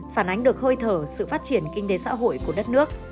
phản ánh được hơi thở sự phát triển kinh tế xã hội của đất nước